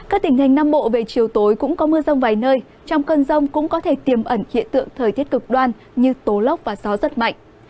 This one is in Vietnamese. các tỉnh hành nam bộ về chiều tối cũng có mưa rông vài nơi trong cơn rông cũng có thể tiềm ẩn hiện tượng thời tiết cực đoan như tố lốc và gió rất mạnh